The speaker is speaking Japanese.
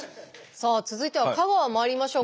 さあ続いては香川まいりましょう。